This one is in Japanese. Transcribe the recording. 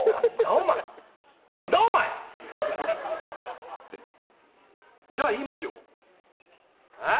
お前何だお前！？じゃあ言いますよえっ？